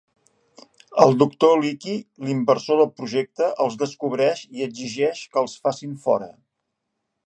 El Doctor Leaky, l'inversor del projecte, els descobreix i exigeix que els facin fora.